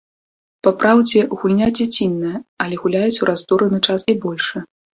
Папраўдзе, гульня дзяціная, але гуляюць у раздураны час і большыя.